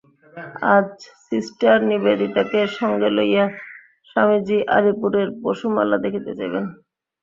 আজ সিষ্টার নিবেদিতাকে সঙ্গে লইয়া স্বামীজী আলিপুরের পশুশালা দেখিতে যাইবেন।